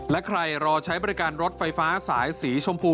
และใครรอใช้บริการรถไฟฟ้าสายสีชมพู